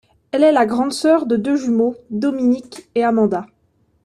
Elle est la grande sœur de deux jumeaux Dominic et Amanda.